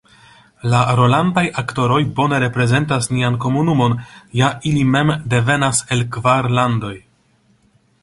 La rolantaj aktoroj bone reprezentas nian komunumon, ja ili mem devenas el kvar landoj.